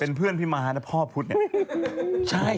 เป็นเพื่อนพี่มานะพ่อพุทธนี่